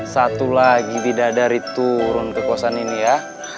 satu lagi bidadari turun kekuasaan ini ya